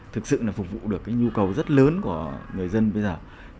thực sự là phục vụ được cái nhu cầu rất lớn của người dân bây giờ